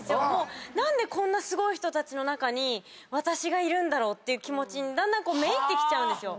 何でこんなすごい人たちの中に私がいるんだろうって気持ちにだんだんめいってきちゃう。